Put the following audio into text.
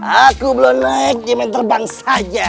aku belum naik dia mau terbang saja